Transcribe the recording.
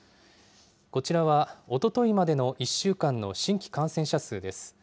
こちらは、おとといまでの１週間の新規感染者数です。